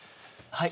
はい？